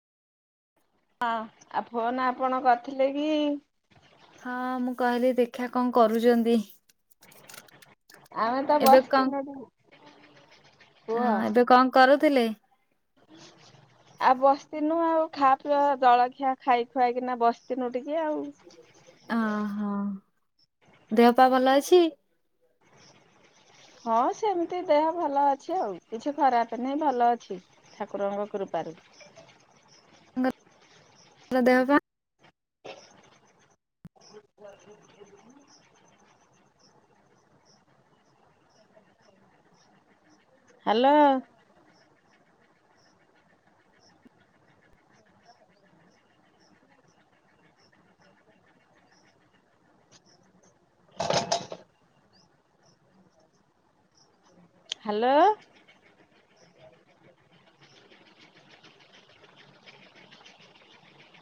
ହଁ ଆଉ ଫୋନ ଆପଣ କରିଥିଲେ କି? ହଁ ମୁଁ କହିଲି ଦେଖା କଣ କରୁଛନ୍ତି? ଆମେ ତ ବସିଥିଲ ନ ହଁ ଏବେ କଣ କରୁଥିଲେ? ଆଉ ବସଥିନୁ ଆଉ ଖାଆ, ପିଇବା, ଜଳଖିଆ ଖାଇ ଖୁଆକିନା, ବସଥିନୁ ଟିକେ ଆଉ। ଓହୋ ଦେହପା ଭଲ ଅଛି। ହଁ ସେମିତି ଦେହ ଭଲ ଅଛି, ଆଉ କିଛି ଖରାପ ନାହିଁ ଭଲ ଅଛି, ଠାକୁରଙ୍କ କୃପାରୁ। ଦେହ ପା ହ୍ୟାଲୋ। ହ୍ୟାଲୋ।